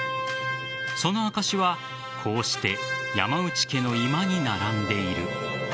その証しは、こうして山内家の居間に並んでいる。